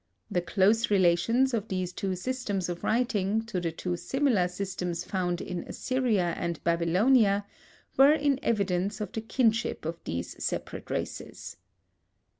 The close relations of these two systems of writing to the two similar systems found in Assyria and Babylonia, were in evidence of the kinship of these separate races.